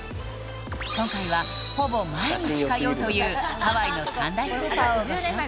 今回はほぼ毎日通うというハワイの三大スーパーをご紹介！